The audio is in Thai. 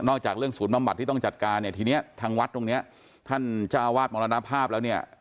จากเรื่องศูนย์บำบัดที่ต้องจัดการเนี่ยทีนี้ทางวัดตรงเนี้ยท่านเจ้าวาดมรณภาพแล้วเนี่ย